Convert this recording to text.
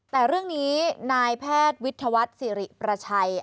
แต่เรื่องนี้นายแพทย์วิทยาวัฒน์สิริประชัย